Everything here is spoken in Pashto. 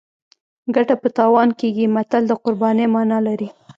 ګټه په تاوان کېږي متل د قربانۍ مانا لري